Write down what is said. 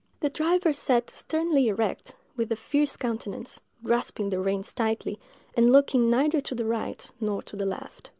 The driver sat sternly erect, with a fierce countenance, grasping the reins tightly, and looking neither to the right nor the left.